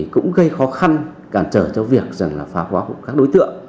cũng gây khó khăn cản trở cho việc là phá khóa của các đối tượng